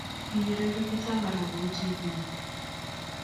Kikere bik chechang Kora kou chebiywo